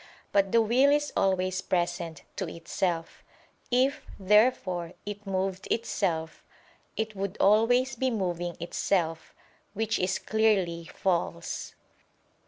But the will is always present to itself. If, therefore, it moved itself, it would always be moving itself, which is clearly false.